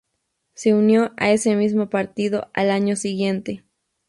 Se unió a ese mismo partido al año siguiente.